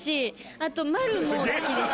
あと丸も好きです。